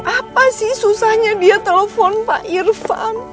apa sih susahnya dia telepon pak irfan